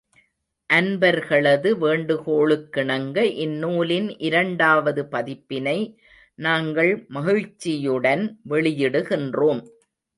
அன்பர்களது வேண்டுகோளுக்கிணங்க இந்நூலின் இரண்டாவது பதிப்பினை நாங்கள் மகிழ்ச்சியுடன் வெளியிடுகின்றோம்.